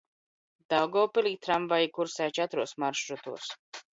Daugavpilī tramvaji kursē četros maršrutos.